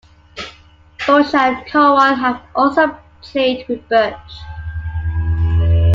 Bush and Cowan have also played with Burch.